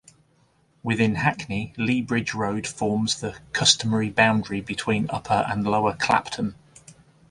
Within Hackney, Lea Bridge Road forms the customary boundary between Upper and Lower Clapton.